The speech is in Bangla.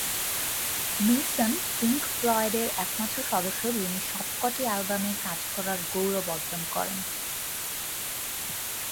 মেইসন পিংক ফ্লয়েডের একমাত্র সদস্য যিনি সবকটি অ্যালবামে কাজ করার গৌরব অর্জন করেন।